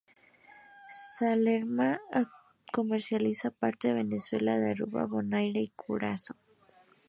Solera se comercializa aparte de Venezuela en Aruba, Bonaire y Curazao.